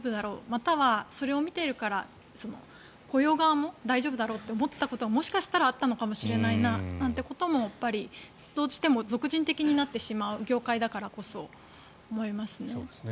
またはそれを見ているから雇用側も大丈夫だろうと思ったことは、もしかしたらあったかもしれないななんていうことはどうしても俗人的になってしまう業界だからこそ思いますね。